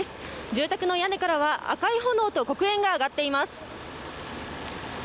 住宅の屋根からは赤い炎と黒煙が上がっています。